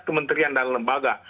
kementerian dan lembaga